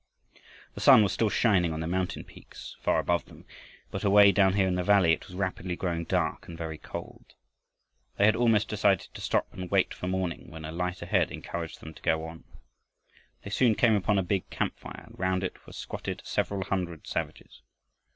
The sun was still shining on the mountain peaks far above them, but away down here in the valley it was rapidly growing dark and very cold. They had almost decided to stop and wait for morning when a light ahead encouraged them to go on. They soon came upon a big camp fire and round it were squatted several hundred savages.